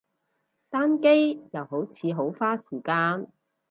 單機，又好似好花時間